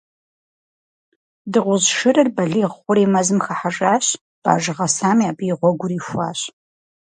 Дыгъужь шырыр балигъ хъури, мэзым хыхьэжащ, бажэ гъэсами абы и гъуэгур ихуащ.